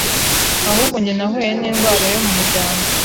ahubwo njye nahuye n;’indwara yo mu muryango